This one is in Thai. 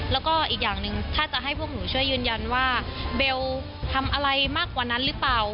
แล้วก็อีกอย่างหนึ่งถ้าจะให้พวกหนูช่วยยืนยันว่าเบลทำอะไรมากกว่านั้นหรือเปล่า